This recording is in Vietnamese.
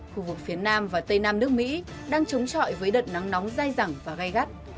khu vực phía nam và tây nam nước mỹ đang chống chọi với đợt nắng nóng dai dẳng và gai gắt